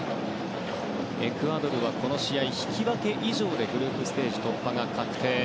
エクアドルは、この試合引き分け以上でグループステージ突破が確定。